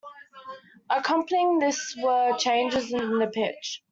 Accompanying this were changes on the pitch.